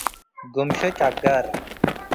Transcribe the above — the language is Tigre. ግምሾ፤ ጨጋር ።